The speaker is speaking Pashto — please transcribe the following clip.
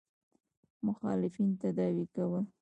مخالفین تداوي کول.